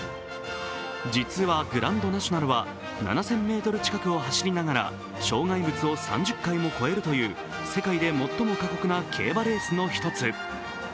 実はグランドナショナルは７０００ｍ近くを走りながら障害物を３０回も超えるという世界で最も過酷な競馬レースの一つ。